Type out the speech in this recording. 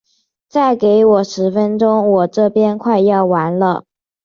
再给我十分钟，我这边快要完了。